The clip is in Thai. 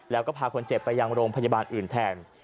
แล้วก็พาคนเจ็บไปยังโรงพยาบาลอื่นแทน